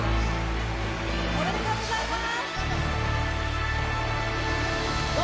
おめでとうございます！